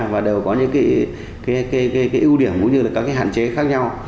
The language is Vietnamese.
và đều có những ưu điểm cũng như các hạn chế khác nhau